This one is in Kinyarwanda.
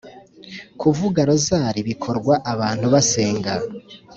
kuvuga rozari bikorwa abantu basenga,